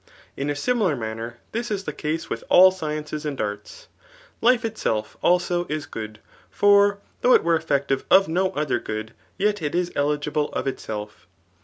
In a similar manner this is the case with all sciences and arts. life itself also, is good } for though it were effective of no otbar good, yet it is eligible of itself.